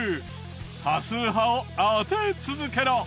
多数派を当て続けろ。